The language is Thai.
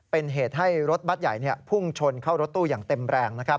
เป็นเหตุให้รถบัตรใหญ่พุ่งชนเข้ารถตู้อย่างเต็มแรง